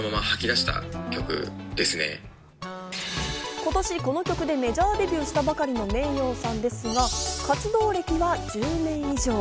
今年この曲でメジャーデビューしたばかりのｍｅｉｙｏさんですが、活動歴は１０年以上。